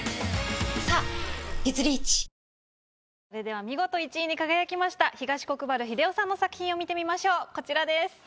それでは見事１位に輝きました東国原英夫さんの作品を見てみましょうこちらです。